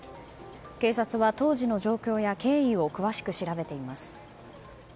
警察は当時の状況や経緯を詳しく調べています。